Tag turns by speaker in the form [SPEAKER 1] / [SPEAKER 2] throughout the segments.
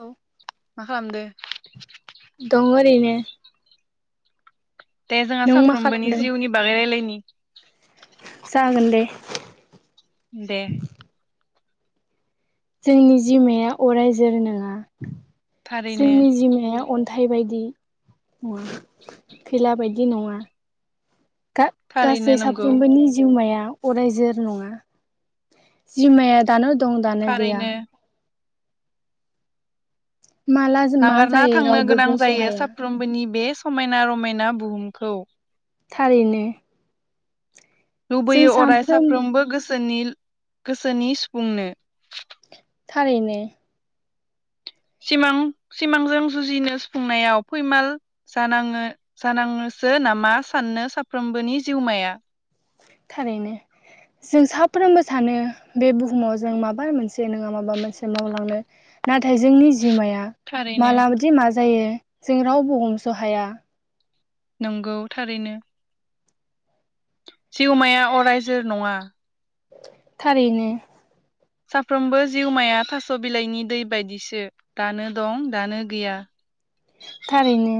[SPEAKER 1] औ
[SPEAKER 2] मा खालामदों?
[SPEAKER 1] दं ओरैनो।
[SPEAKER 2] दे जोंहा
[SPEAKER 1] नों मा
[SPEAKER 2] साफ्रोमबोनि
[SPEAKER 1] खालामदों?
[SPEAKER 2] जिउनि बागै रायलायनि।
[SPEAKER 1] जागोन दे।
[SPEAKER 2] दे।
[SPEAKER 1] जोंनि जिउमाया अराय जोर नङा
[SPEAKER 2] थारैनो
[SPEAKER 1] जोंनि जिउमाया अन्थाइ बायदि। खैला बायदि नङा। गा गासै
[SPEAKER 2] थारैनो नंगौ
[SPEAKER 1] साफ्रोमबोनि जिउमाया अरायजोर नङा। जिउमाया दानो दं दानो गैया।
[SPEAKER 2] थारैनो
[SPEAKER 1] माला मा
[SPEAKER 2] नागारना
[SPEAKER 1] जायो
[SPEAKER 2] थांनो
[SPEAKER 1] रावबो
[SPEAKER 2] गोनां
[SPEAKER 1] बुंस'
[SPEAKER 2] जायो
[SPEAKER 1] हाया
[SPEAKER 2] साफ्रोमबोनि बे समायना रमायना बुहुमखौ।
[SPEAKER 1] थारैनो। जों
[SPEAKER 2] लुबैयो अराय
[SPEAKER 1] सानफ्रोमबो
[SPEAKER 2] साफ्रोमबो गोसोनि गोसोनि सफुंनो।
[SPEAKER 1] थारैनो।
[SPEAKER 2] सिमां सिमांजों जुजिनो सुफुंनायाव फैमाल जानाङो जानाङोसो नामा साननो साफ्रोमबोनि जिउमाया।
[SPEAKER 1] थारैनो। जों साफ्रोमबो सानो बे बुहुमाव जों माबा मोनसे नङा माबा मोनसे मावलांनो नाथाय जोंनि जिउमाया
[SPEAKER 2] थारैनो
[SPEAKER 1] मालाबदि मा जायो जों रावबो हमस' हाया।
[SPEAKER 2] नंगौ थारैनो। जिउमाया अरायजोर नङा।
[SPEAKER 1] थारैनो।
[SPEAKER 2] साफ्रोमबो जिउमाया थास' बिलाइनि दै बायदिसो दानो दं दानो गैया।
[SPEAKER 1] थारैनो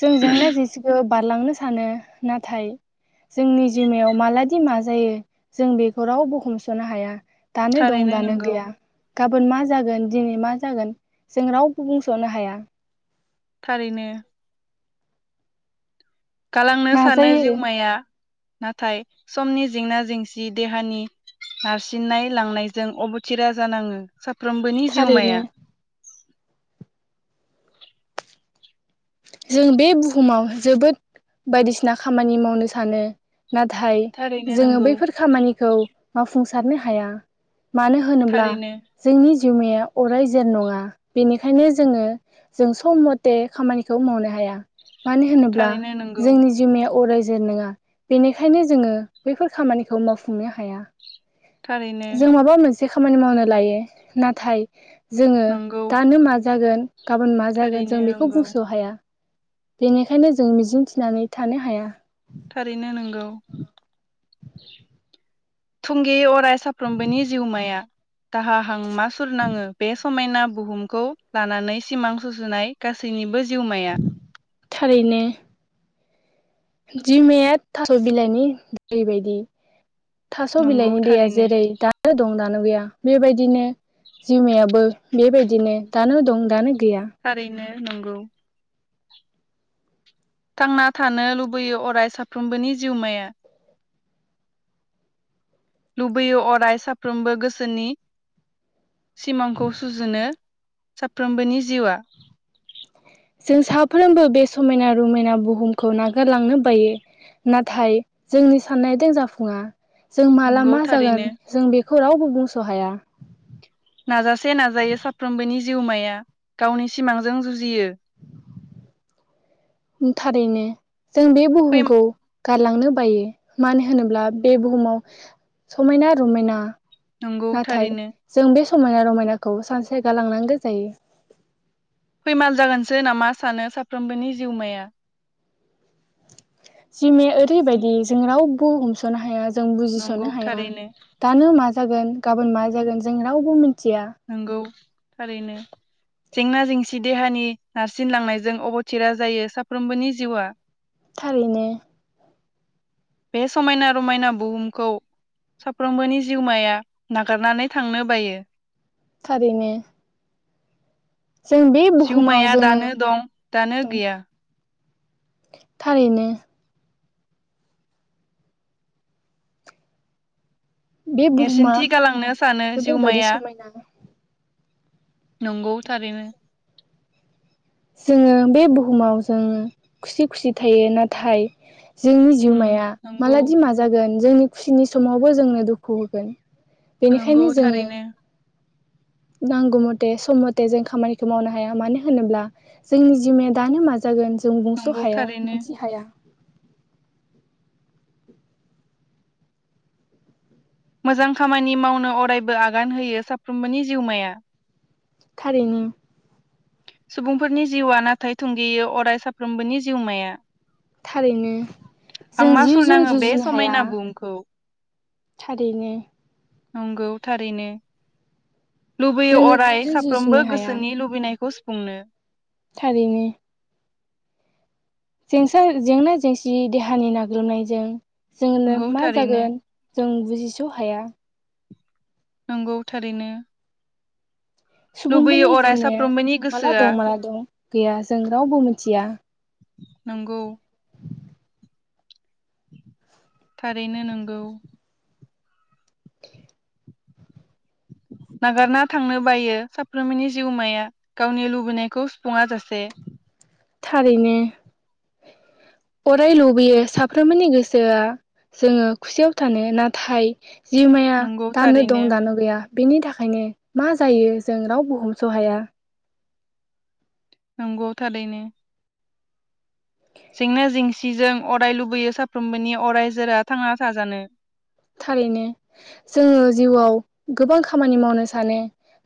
[SPEAKER 1] जोंजों नायज ज बारलांनो सानो नाथाय जोंनि जिउमायाव मालादि मा जायो जों बेखौ रावबो हमस'नो हाया। दानो दं
[SPEAKER 2] थारैनो
[SPEAKER 1] दानो
[SPEAKER 2] नंगौ
[SPEAKER 1] गैया। गाबोन मा जागोन दिनै मा जागोन जों रावबो बुंस'नो हाया।
[SPEAKER 2] थारैनो। गालांनो सानो
[SPEAKER 1] नाजायो
[SPEAKER 2] जिउमाया नाथाय समनि जेंना जेंसि देहानि नारसिननाय लांनायजों अबथिरा जानाङो साफ्रोमबोनि
[SPEAKER 1] थारैनो
[SPEAKER 2] जिउमाया।
[SPEAKER 1] जों बे बुहुमाव जोबोद बायदिसिना खामानि मावनो सानो। नाथाय
[SPEAKER 2] थारैनो
[SPEAKER 1] जोङो
[SPEAKER 2] नंगौ
[SPEAKER 1] बैफोर खामानिखौ मावफुंसारनो हाया मानो होन होनोब्ला
[SPEAKER 2] थारैनो
[SPEAKER 1] जोंनि जिउमाया अराय जोर नङा बेनिखायनो जोङो जों सम मथे खामानि खौ मावनो हाया मानो होनोब्ला
[SPEAKER 2] थारैनो नंगौ
[SPEAKER 1] जोंनि जिउमाया अराय जोर नङा। बेनिखायनो जोङो बैफोर खामानिखौ मावफुंनो हाया
[SPEAKER 2] थारैनो
[SPEAKER 1] जों माबा मोनसे से खामानि मावनो लायो नाथाय जोङो
[SPEAKER 2] नंगौ
[SPEAKER 1] दानो मा जागोन गाबोन मा जागोन
[SPEAKER 2] थारैनो
[SPEAKER 1] जों बेखौ
[SPEAKER 2] नंगौ
[SPEAKER 1] बुं हाया बेनिखायनो जों मिजिं थिनानै थानो हाया।
[SPEAKER 2] थारैनो नंगौ थुंगेअ फराय साफ्रोमबोनि जिउमाया दाहा हांमा सुरनाङो बे समायना बुहुमखौ लानानै सिमां सुजुनाय गासैनिबो जिउमाया।
[SPEAKER 1] थारैनो। दिमाया थास' बिलाइनि दैबायदि। थास'
[SPEAKER 2] नंगौ
[SPEAKER 1] बिलाइनि दैया
[SPEAKER 2] थारैनो
[SPEAKER 1] जेरै दानो दं दानो गैया बेबायदिनो जिउमायाबो बेबायदिनो दानो दं दानो गैया।
[SPEAKER 2] थारैनो नंगौ। थांना थानो लुबैयो अराय साफ्रोमबोनि जिउमाया। लुबैयो अराय साफ्रोमबो गोसोनि सिमांखौ सुजुनो। साफ्रोमबोनि जिउआ।
[SPEAKER 1] जों साफ्रोमबो बे समायना रमायना बुहुमखौ नागारलांनो बायो। नाथाय जोंनि साननाय दो जाफुङा। जों माला
[SPEAKER 2] नंगौ
[SPEAKER 1] मा
[SPEAKER 2] थारैनो
[SPEAKER 1] जागोन जों बेखौ रावबो बुंस' हाया।
[SPEAKER 2] नाजासे नाजायो साफ्रोमबोनि जिउमाया गावनि सिमांजों जुजियो।
[SPEAKER 1] थारैनो जों बे
[SPEAKER 2] फै
[SPEAKER 1] बुहुमखौ। गारलांनो बायो मानो होनोब्ला बे बुहुमाव समायना रमायना।
[SPEAKER 2] नंगौ
[SPEAKER 1] नाथाय
[SPEAKER 2] थारैनो
[SPEAKER 1] जों बे समायना रमायनाखौ सानसे गालांनांगौ जायो।
[SPEAKER 2] फैमाल जागोनसो नामा सानो साफ्रोमबोनि जिउमाया।
[SPEAKER 1] जिमाया ओरैबायदि जों रावबो हमस'नो हाया जों
[SPEAKER 2] नंगौ
[SPEAKER 1] बुजिस'नो हाया।
[SPEAKER 2] थारैनो
[SPEAKER 1] दानो मा जागोन गाबोन मा जागोन जों रावबो मिथिया।
[SPEAKER 2] नंगौ थारैनो। जेंना जेंसि देहानि नारसिनलांनायजों अबथिरा जायो साफ्रोमबोनि जिउआ।
[SPEAKER 1] थारैनो।
[SPEAKER 2] बे समायना रमायना बुहुमखौ। साफ्रोमबोनि जिउमाया नागारनानै थांनो बायो।
[SPEAKER 1] थारैनो जों बे बुहुमाव
[SPEAKER 2] सिउमाया दानो
[SPEAKER 1] जोङो
[SPEAKER 2] दं दानो गैया।
[SPEAKER 1] थारैनो बे बुहुमा
[SPEAKER 2] नेरसोनथि गालांनो सानो
[SPEAKER 1] जोबोरबायदि
[SPEAKER 2] जिउमाया।
[SPEAKER 1] समायना
[SPEAKER 2] नंगौ थारैनो।
[SPEAKER 1] जोङो बे बुहुमाव जों खुसि खुसि थायो नाथाय। जोंनि
[SPEAKER 2] उम
[SPEAKER 1] जिउमाया
[SPEAKER 2] नंगौ
[SPEAKER 1] मालादि माजागोन जोंनि खुसिनि समावबो जोंनो दुखु होगोन।
[SPEAKER 2] नंगौ
[SPEAKER 1] बेनिखायनो जोङो।
[SPEAKER 2] थारैनो
[SPEAKER 1] नांगौ मथे सम मथे जों खामानिखौ मावनो हाया मानो होनोब्ला। जोंनि जिमाया दानो मा जागोन जों बुंस'
[SPEAKER 2] नंगौ
[SPEAKER 1] हाया
[SPEAKER 2] थारैनो
[SPEAKER 1] मोनथि हाया।
[SPEAKER 2] मोजां खामानि मावनो अरायबो आगान होयो साफ्रोमबोनि जिउमाया।
[SPEAKER 1] थारैनो।
[SPEAKER 2] सुबुंफोरनि जिउआ नाथाय थुंगेयो अराय साफ्रोमबोनि जिउमाया।
[SPEAKER 1] थारैनो जों
[SPEAKER 2] हांमा सुर
[SPEAKER 1] जिउजों
[SPEAKER 2] नाङो बे
[SPEAKER 1] जुजिनो हाया
[SPEAKER 2] समायना बुहुमखौ।
[SPEAKER 1] थारैनो।
[SPEAKER 2] नंगौ थारैनो। लुबैयो
[SPEAKER 1] जोङो
[SPEAKER 2] अराय
[SPEAKER 1] जिउजों
[SPEAKER 2] साफ्रोमबो
[SPEAKER 1] जुजिनो हाया
[SPEAKER 2] गोसोनि लुबैनायखौ सुफुंनो।
[SPEAKER 1] थारैनो जेंसा जेंना जेंसि देहानि नाग्लोबनायजों जोंनो
[SPEAKER 2] नंगौ
[SPEAKER 1] मा
[SPEAKER 2] थारैनो
[SPEAKER 1] जागोन। जों बुजिस' हाया।
[SPEAKER 2] नंगौ थारैनो। लुबैयो
[SPEAKER 1] सुबुंफोरनि
[SPEAKER 2] अराय
[SPEAKER 1] जिउमाया
[SPEAKER 2] साफ्रोमबोनि
[SPEAKER 1] माला
[SPEAKER 2] गोसोआ
[SPEAKER 1] दं माला दं गैया जों रावबो मिथिया।
[SPEAKER 2] नोंगौ। थारैनो नंगौ। नागारना थांनो बायो साफ्रोमनि जिउमाया गावनि लुबैनायखौ सुफुङा जासे।
[SPEAKER 1] थारैनो अराय लुबैयो साफ्रोमबोनि गोसोआ जोङो खुसियाव थानो नाथाय। जिमाया
[SPEAKER 2] नंगौ
[SPEAKER 1] दानो
[SPEAKER 2] थारैनो
[SPEAKER 1] दं दानो गैया। बेनि थाखायनो मा जायो जों रावबो हमस' हाया।
[SPEAKER 2] नंगौ थारैनो। जेंना जेंसिजों अराय लुबैयो साफ्रोमबोनि अरायजोरा थांना थाजानो।
[SPEAKER 1] थारैनो जोङो जिउआव गोबां खामानि मावनो सानो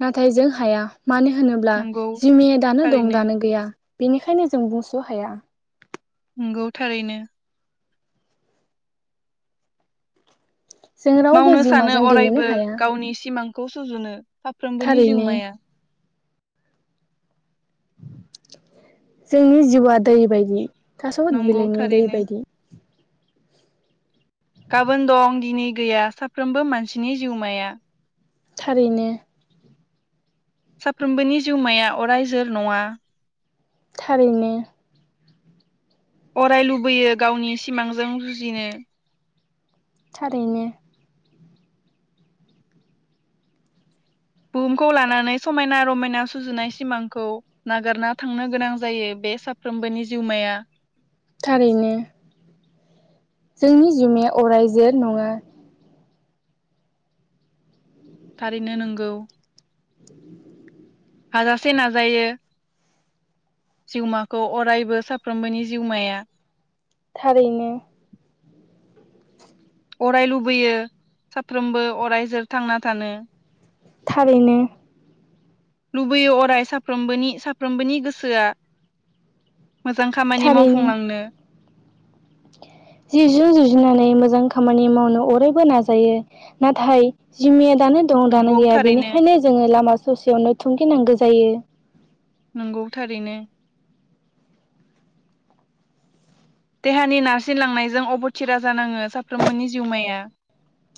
[SPEAKER 1] नाथाय जों हाया। मानो होनोब्ला
[SPEAKER 2] नंगौ
[SPEAKER 1] जिमाया दानो दं
[SPEAKER 2] थारैनो
[SPEAKER 1] दानो गैया बेनिखायनो जों बुंस' हाया।
[SPEAKER 2] नंगौ थारैनो।
[SPEAKER 1] जों रावबो
[SPEAKER 2] मावनो सानो
[SPEAKER 1] जिउमाजों गेलेनो
[SPEAKER 2] अरायबो
[SPEAKER 1] हाया
[SPEAKER 2] गावनि सिमांखौ सुजुनो साफ्रोमबोनि
[SPEAKER 1] थारैनो
[SPEAKER 2] जिउमाया।
[SPEAKER 1] जोंनि जिउआ दै बायदि थास'
[SPEAKER 2] नंगौ
[SPEAKER 1] बिलाइनि दै
[SPEAKER 2] थारैनो
[SPEAKER 1] बायदि
[SPEAKER 2] गाबोन दं दिनै गैया साफ्रोमबो मानसिनि जिउमाया।
[SPEAKER 1] थारैनो
[SPEAKER 2] साफ्रोमबोनि जिउमाया अराय जोर नङा
[SPEAKER 1] थारैनो
[SPEAKER 2] अराय लुबैयो गावनि सिमांजों जुजिनो
[SPEAKER 1] थारैनो
[SPEAKER 2] बुहुमखौ लानानै समायना रमायना सुजुनाय सिमांखौ नागारना थांनो गोनां जायो बे साफ्रोमबोनि जिउमाया।
[SPEAKER 1] थारैनो जोंनि जिउमाया अराय जोर नङा।
[SPEAKER 2] थारैनो नोंगौ। हाजासे नाजायो। जिउमाखौ अरायबो साफ्रोमबोनि जिउमाया।
[SPEAKER 1] थारैनो
[SPEAKER 2] अराय लुबैयो साफ्रोमबो अराय जोर थांना थानो
[SPEAKER 1] थारैनो
[SPEAKER 2] लुबैयो अराय साफ्रोमबोनि-साफ्रोमबोनि गोसोआ मोजां खामानि
[SPEAKER 1] थारैनो
[SPEAKER 2] मावफुंलांनो
[SPEAKER 1] जि जु जुजिनानै मोजां खामानि मावनो अरायबो नाजायो। नाथाय जिमाया दानो दं दानो
[SPEAKER 2] नंगौ
[SPEAKER 1] गैया
[SPEAKER 2] थारैनो
[SPEAKER 1] बेनिखायनो जोङो लामा ससेयावनो थुंगिनांगौ जायो।
[SPEAKER 2] नंगौ थारैनो देहानि नारसिनलांनायजों अबथिरा जानाङो साफ्रोमबोनि जिउमाया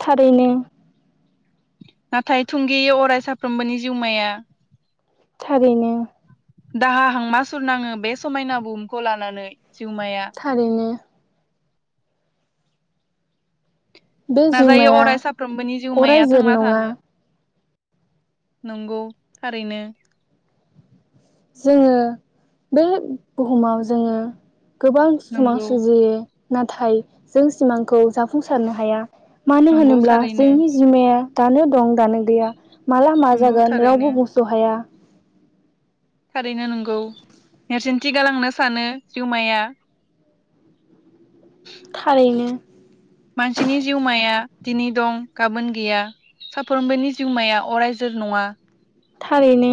[SPEAKER 1] थारैनो
[SPEAKER 2] नाथाय थुंगेयो अराय साफ्रोमबोनि जिउमाया
[SPEAKER 1] थारैनो
[SPEAKER 2] दाहा हांमा सुरनाङो बे समायना बुहुमखौ लानानै जिउमाया
[SPEAKER 1] थारैनो बे
[SPEAKER 2] नाजायो
[SPEAKER 1] जिउमाया
[SPEAKER 2] अराय साफ्रोमबोनि जिउमाया
[SPEAKER 1] अरायजोर
[SPEAKER 2] थांना
[SPEAKER 1] नङा
[SPEAKER 2] थानो नंगौ थारैनो
[SPEAKER 1] जोंङो बै बुहुमाव जोंङो गोबां सिमां
[SPEAKER 2] नंगौ
[SPEAKER 1] सुजियो। नाथाय जों सिमांखौ जाफुंसारनो हाया। मानो
[SPEAKER 2] नंगौ
[SPEAKER 1] होनोब्ला
[SPEAKER 2] थारैनो
[SPEAKER 1] जोंनि जिमाया दानो दं दानो गैया। माला मा
[SPEAKER 2] नंगौ
[SPEAKER 1] जागोन
[SPEAKER 2] थारैनो
[SPEAKER 1] रावबो बुंस' हाया।
[SPEAKER 2] थारैनो नंगौ नेरसोनथि गालांनो सानो जिउमाया
[SPEAKER 1] थारैनो
[SPEAKER 2] मानसिनि जिउमाया दिनै दं गाबोन गैया। साफ्रोमबोनि जिउमाया अराइ जोर नङा।
[SPEAKER 1] थारैनो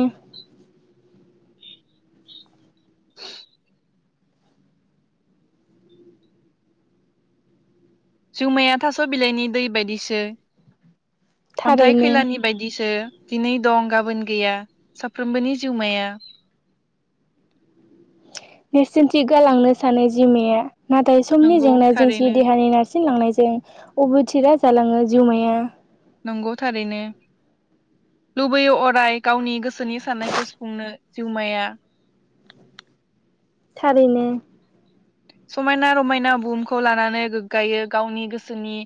[SPEAKER 2] [inaudible] जिउमाया थास' बिलाइनि दै बायदिसो अन्थाइ
[SPEAKER 1] थारैनो
[SPEAKER 2] खैलानि बायदिसो दिनै दं गाबोन गैया साफ्रोमबोनि जिउमाया
[SPEAKER 1] नेरसोनथि गालांनो सानो जिउमाया नाथाय समनि
[SPEAKER 2] नंगौ
[SPEAKER 1] जेंना जेंसि
[SPEAKER 2] थारैनो
[SPEAKER 1] देहानि ना सिनलांनायजों अब'थिरा जालाङो जिउमाया
[SPEAKER 2] नंगौ थारैनो लुबैयो अराय गावनि गोसोनि साननायखौ सुफुंनो जिउमाया
[SPEAKER 1] थारैनो
[SPEAKER 2] समायना रमायना बुहुमखौ लानानै गोग्गायो गावनि गोसोनि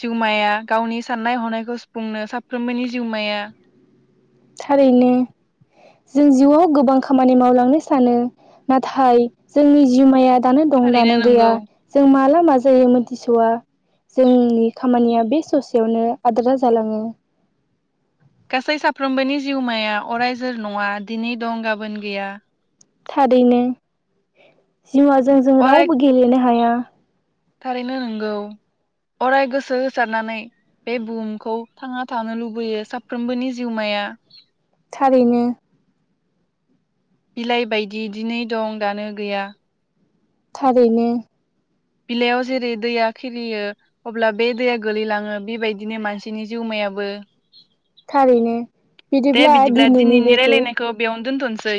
[SPEAKER 2] जिउमाया गावनि साननाय हनायखौ सुफुंनो साफ्रोमबोनि जिउमाया
[SPEAKER 1] थारैनो। जों जिउआव गोबां खामानि मावलांनो सानो नाथाय जोंनि जिउमाया। दानो दं
[SPEAKER 2] थारैनो
[SPEAKER 1] दानो
[SPEAKER 2] नंगौ
[SPEAKER 1] गैया जों माला मा जायोमोनथिस'आ। जोंनि खामानिया बे ससेयावनो आद्रा जालाङो।
[SPEAKER 2] गासै साफ्रोमबोनि जिउमाया अराय जोर नङा दिनै दं गाबोन गैया।
[SPEAKER 1] थारैनो जिउआ जों जों
[SPEAKER 2] अराय
[SPEAKER 1] रावबो गेलेनो हाया।
[SPEAKER 2] थारैनो नोंगौ अराय गोसो होसारनानै बे बुहुमखौ थांना थानो लुबैयो साफ्रोमबोनि जिउमाया।
[SPEAKER 1] थारैनो।
[SPEAKER 2] बिलाइ बायदि दिनै दं दानो गैया।
[SPEAKER 1] थारैनो।
[SPEAKER 2] बिलाइयाव जेरै दैया खिरियो। अब्ला बे दैया गोलैलाङो बेबायदिनो मानसिनि जिउमायाबो।
[SPEAKER 1] थारैनो
[SPEAKER 2] दे बिदिब्ला दिनैनि रायलायनायखौ बेयावनो दोनथ'नोसै।